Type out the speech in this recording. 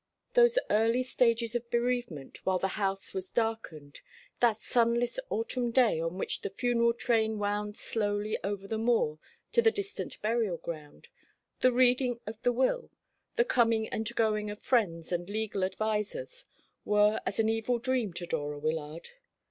Those early stages of bereavement, while the house was darkened that sunless autumn day on which the funeral train wound slowly over the moor to the distant burial ground, the reading of the will, the coming and going of friends and legal advisers, were as an evil dream to Dora Wyllard.